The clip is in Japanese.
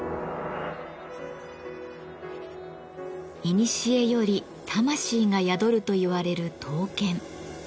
いにしえより魂が宿るといわれる「刀剣」。